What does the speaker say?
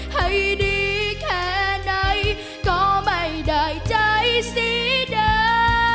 ให้ดีแค่ไหนก็ไม่ได้ใจสีดา